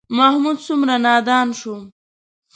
محمود څومره نادان شو.